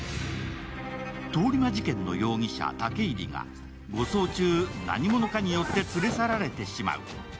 通り魔事件の容疑者・武入が護送中何者かによって連れ去られてしまう。